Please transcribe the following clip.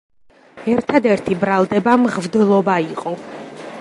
ერთადერთი ბრალდება მღვდლობა იყო.